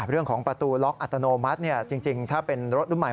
เรื่องของประตูล็อกอัตโนมัติจริงถ้าเป็นรถรุ่นใหม่